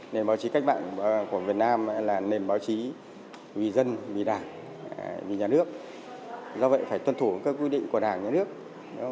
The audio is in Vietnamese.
nền báo chí cách bạn của việt nam là nền báo chí vì dân vì đảng vì nhà nước do vậy phải tuân thủ các quy định của đảng nhà nước và bảo vệ lợi ích của nhân dân